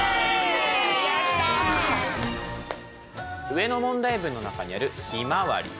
上の問題文の中にある「ひまわり」。